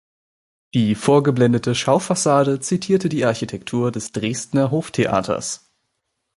Die vorgeblendete Schaufassade zitierte die Architektur des Dresdner Hoftheaters.